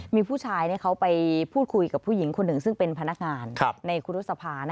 มีผู้ชายเขาไปพูดคุยกับผู้หญิงคนหนึ่งซึ่งเป็นพนักงานในครูรุษภา